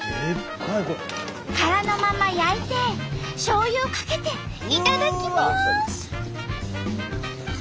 殻のまま焼いてしょうゆをかけていただきます！